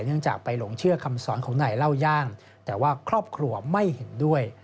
เนื่องจากไปหลงเชื่อคำสอนของนายเล่าย่างแต่ว่าครอบครัวไม่เห็นด้วย